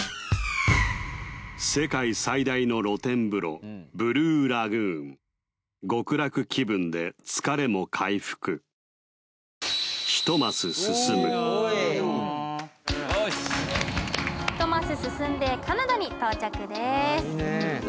世界最大の露天風呂ブルーラグーンよし１マス進んでカナダに到着です